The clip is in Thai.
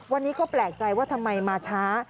วันนี้ก็แปลกใจว่าทำไมมาช้า